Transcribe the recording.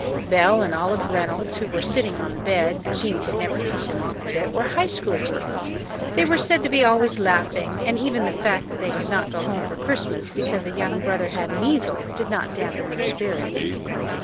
Belle and Olive Reynolds, who were sitting on the bed Jean could never keep them off it were High School girls; they were said to be always laughing, and even the fact that they could not go home for Christmas because a young brother had measles did not dampen their spirits.